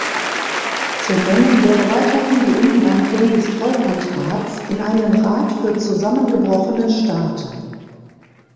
Zu nennen wäre weiterhin die Umwandlung des Treuhandrats in einen Rat für zusammengebrochene Staaten.